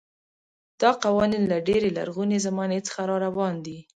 دا قوانین له ډېرې لرغونې زمانې څخه راروان دي.